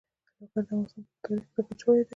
لوگر د افغانستان په اوږده تاریخ کې ذکر شوی دی.